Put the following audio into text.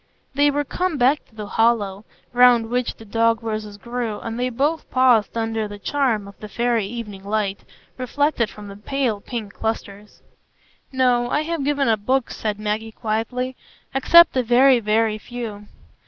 They were come back to the hollow, round which the dog roses grew, and they both paused under the charm of the faëry evening light, reflected from the pale pink clusters. "No, I have given up books," said Maggie, quietly, "except a very, very few."